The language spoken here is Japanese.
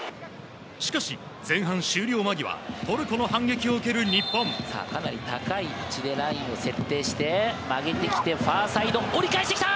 しかし、前半終了間際、トルコのさあ、かなり高い位置でラインを設定して、曲げてきて、ファーサイド、折り返してきた。